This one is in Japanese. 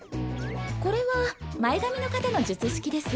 これは前髪の方の術式です。